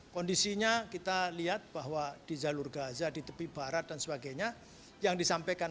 kondisinya kita lihat bahwa di jalur gaza di tepi barat dan sebagainya yang disampaikan